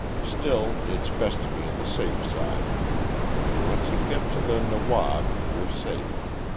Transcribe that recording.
"Still, it's best to be on the safe side. Once you get to the Nawab you're safe.